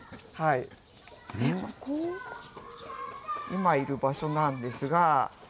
今いる場所なんですが。